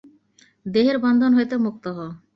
দেহের বন্ধন হইতে মুক্ত হও।